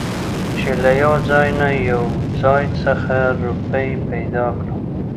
چې له يوه ځاى نه يو ځاى خڅه روپۍ پېدا کړم .